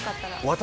私？